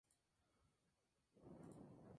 Hijo de Francisco Rosas y Melchora Balcázar.